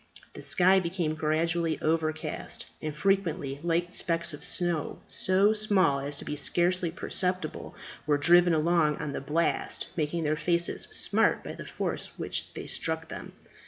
The sky became gradually overcast, and frequently light specks of snow, so small as to be scarcely perceptible, were driven along on the blast, making their faces smart by the force with which they struck them.